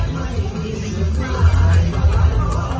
มันเป็นเมื่อไหร่แล้ว